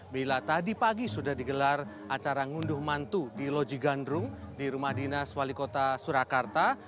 bila tadi pagi sudah digelar acara ngunduh mantu di loji gandrung di rumah dinas wali kota surakarta